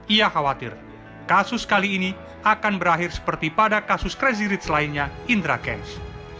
ia khawatir kasus kali ini akan berakhir seperti pada kasus crazy rich lainnya indra kents